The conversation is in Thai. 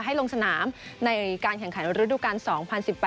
ลงสนามในการแข่งขันฤดูกาล๒๐๑๘